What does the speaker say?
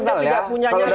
ganjar tidak punya nyali